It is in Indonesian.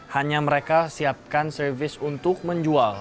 hanya mereka siapkan servis untuk menjual